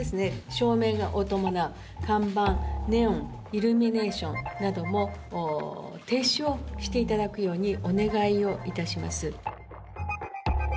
照明を伴う看板ネオンイルミネーションなども停止をして頂くようにお願いをいたします。